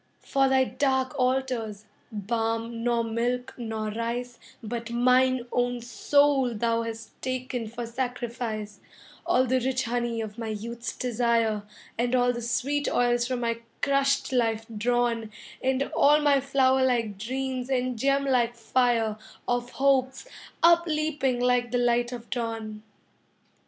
For thy dark altars, balm nor milk nor rice, But mine own soul thou'st ta'en for sacrifice: All the rich honey of my youth's desire, And all the sweet oils from my crushed life drawn, And all my flower like dreams and gem like fire Of hopes up leaping like the light of dawn.